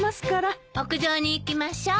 屋上に行きましょう。